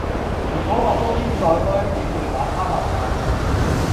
如果我工資再多一點會把她留下來